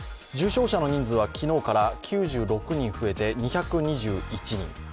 重症者の人数は昨日から９６人増えて２２１人。